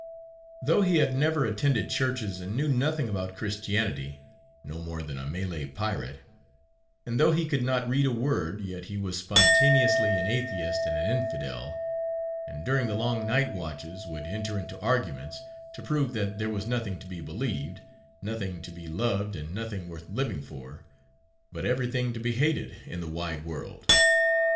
Though he had never attended churches, and knew nothing about Christianity; no more than a Malay pirate; and though he could not read a word, yet he was spontaneously an atheist and an infidel; and during the long night watches, would enter into arguments, to prove that there was nothing to be believed; nothing to be loved, and nothing worth living for; but every thing to be hated, in the wide world.